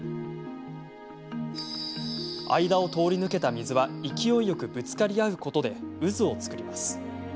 間を通り抜けた水は勢いよくぶつかり合うことで渦を作ります。